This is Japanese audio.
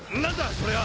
それは！